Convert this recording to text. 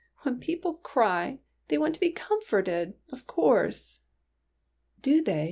'' When people cry, they want to be comforted, of course." '' Do they